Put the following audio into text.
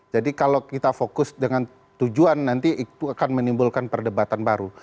jadi kalau kita fokus dengan tujuan nanti itu akan menimbulkan perdebatan baru